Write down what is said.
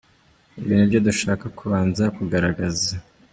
Ibi ni byo dushaka kubanza kugaragaza.